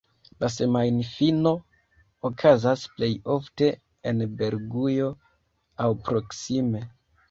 La semajnfino okazas plej ofte en Belgujo aŭ proksime.